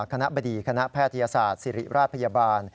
คณะบดีคณะแพทยศาสตร์ศิริราชพยาบาล